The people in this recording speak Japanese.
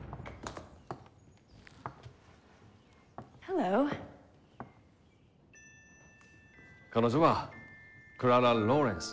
Ｈｅｌｌｏ．彼女はクララ・ローレンス。